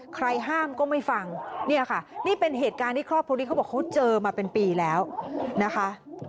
ใครห้ามก็ไม่ฟังเนี่ยค่ะนี่เป็นเหตุการณ์ที่ครอบครัวนี้เขาบอกเขาเจอมาเป็นปีแล้วนะคะ